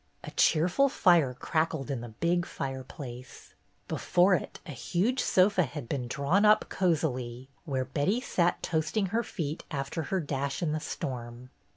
A cheerful fire crackled in the big fireplace. Before it a huge sofa had been drawn up cosily, where Betty sat toast ing her feet after her dash in the storm.